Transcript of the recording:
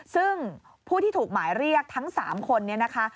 ซึ่งผู้ที่ถูกหมายเรียกทั้ง๓คนนี้นะคะ